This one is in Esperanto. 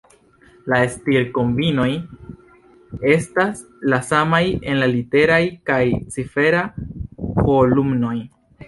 La stir-kombinoj estas la samaj en la litera kaj cifera kolumnoj.